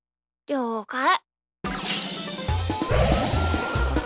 りょうかい！